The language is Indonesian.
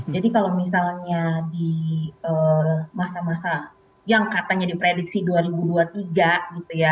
jadi kalau misalnya di masa masa yang katanya diprediksi dua ribu dua puluh tiga gitu ya